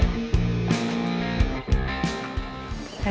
main thermal lanjut sama dokter